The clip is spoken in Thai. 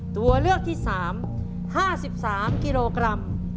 ตัวเลือกที่๓๕๓กิโลกรัม